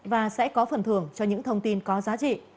và sẽ có phần thưởng cho những thông tin có giá trị